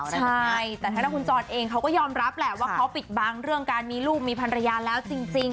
ใช่แต่ทางด้านคุณจรเองเขาก็ยอมรับแหละว่าเขาปิดบังเรื่องการมีลูกมีพันรยาแล้วจริง